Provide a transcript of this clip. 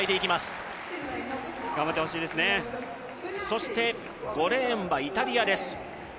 そして５レーンはイタリアです。